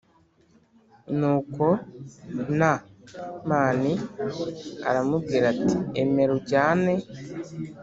Nuko N mani aramubwira ati Emera ujyane